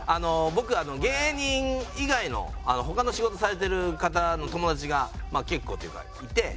僕芸人以外の他の仕事されてる方の友達が結構というかいて。